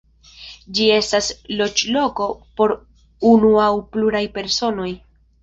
Ĝi estas loĝloko por unu aŭ pluraj personoj.